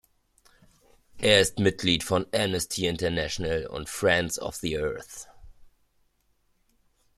Er ist Mitglied von Amnesty International und Friends of the Earth.